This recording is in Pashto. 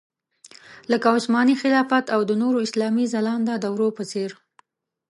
لکه عثماني خلافت او د نورو اسلامي ځلانده دورو په څېر.